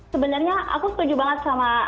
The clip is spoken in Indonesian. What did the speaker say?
sebenarnya aku setuju banget sama